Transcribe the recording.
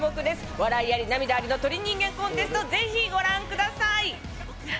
笑いあり涙ありの『鳥人間コンテスト』ぜひご覧ください。